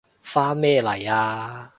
返咩嚟啊？